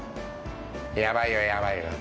やばいよ、やばいよ。